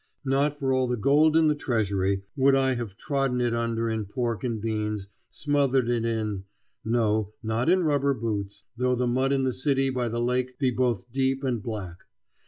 Not for all the gold in the Treasury would I have trodden it under in pork and beans, smothered it in no, not in rubber boots, though the mud in the city by the lake be both deep and black.